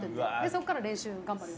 「そこから練習を頑張り」